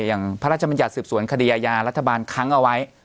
พระราชบัญญัติสืบสวนคดีอาญารัฐบาลค้างเอาไว้